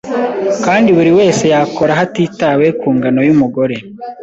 kandi buri wese yakora hatitawe ku ngano y’umugore